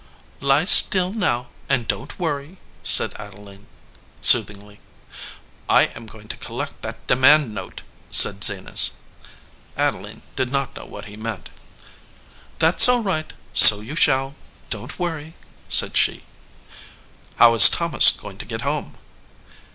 "Lie still now and don t worry," said Adeline, soothingly. "I am going to collect that demand note," said Zenas. Adeline did not know what he meant. "That s all right, so you shall. Don t worry," said she. "How is Thomas going to get home?"